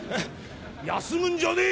「休むんじゃねえ！」